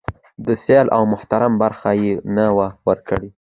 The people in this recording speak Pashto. د سايل او محروم برخه يې نه وي ورکړې.